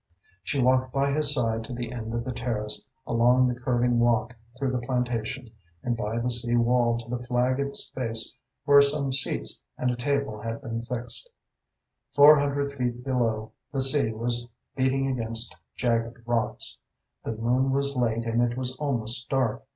She walked by his side to the end of the terrace, along the curving walk through the plantation, and by the sea wall to the flagged space where some seats and a table had been fixed. Four hundred feet below, the sea was beating against jagged rocks. The moon was late and it was almost dark.